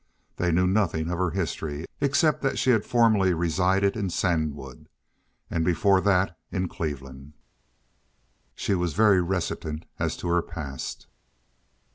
They knew nothing of her history, except that she had formerly resided in Sandwood, and before that in Cleveland. She was very reticent as to her past.